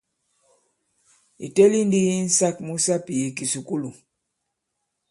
Ì teli ndi insāk mu sapì i kìsùkulù.